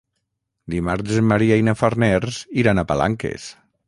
Dimarts en Maria i na Farners iran a Palanques.